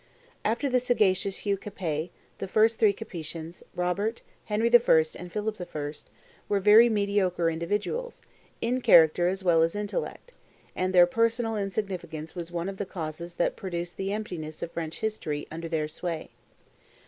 After the sagacious Hugh Capet, the first three Capetians, Robert, Henry I., and Philip I., were very mediocre individuals, in character as well as intellect; and their personal insignificance was one of the causes that produced the emptiness of French history under their sway.